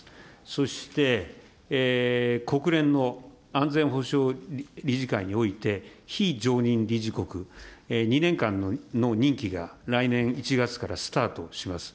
そして、国連の安全保障理事会において、非常任理事国、２年間の任期が来年１月からスタートします。